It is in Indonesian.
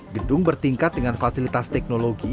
gedung bertingkat dengan fasilitas teknologi